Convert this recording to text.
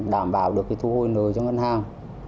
đảm bảo được thu hồi nợ cho ngân hàng